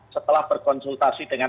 setelah berkonsultasi dengan